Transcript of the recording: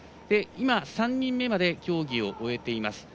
今３人目まで競技を終えています。